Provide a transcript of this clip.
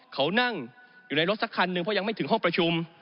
เขานั่งอยู่ในรถสักคันหนึ่งเพราะยังไม่ถึงห้องประชุม